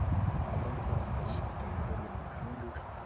Magonjwa yanayobainika kwa mkojo mwekundu